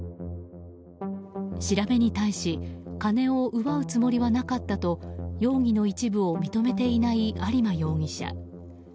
調べに対し金を奪うつもりはなかったと容疑の一部を認めていない有馬容疑者。